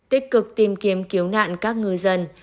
tích cực tìm kiếm cứu nạn các ngư dân